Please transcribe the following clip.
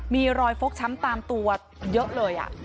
มีรอยฟกช้ำตามตัวเยอะเลย